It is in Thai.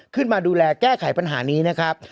ขึ้นมาดูแลแก้ไขปัญหานี้นะครับ